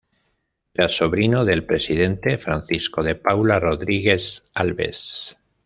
Era sobrino del presidente Francisco de Paula Rodrigues Alves.